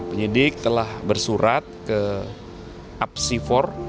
penyidik telah bersurat ke apsifor